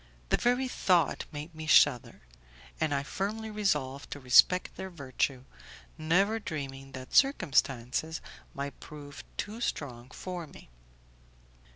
The very thought made me shudder, and I firmly resolved to respect their virtue, never dreaming that circumstances might prove too strong for me.